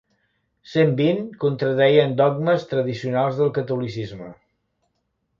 Cent vint contradeien dogmes tradicionals del catolicisme.